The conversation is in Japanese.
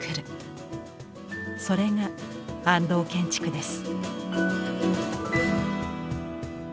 それが安藤建築です。